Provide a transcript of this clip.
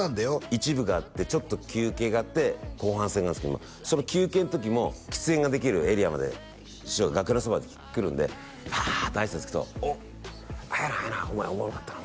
１部があってちょっと休憩があって後半戦なんですけどその休憩の時も喫煙ができるエリアまで師匠楽屋のそばに来るんでバーッとあいさつ行くと「おっあれやなあれやなお前おもろかったな」